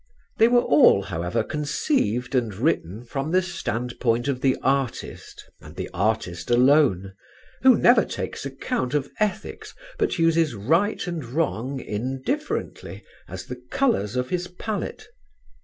They were all, however, conceived and written from the standpoint of the artist, and the artist alone, who never takes account of ethics, but uses right and wrong indifferently as colours of his palette.